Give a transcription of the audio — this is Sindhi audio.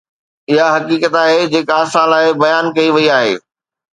اها حقيقت آهي جيڪا اسان لاءِ بيان ڪئي وئي آهي.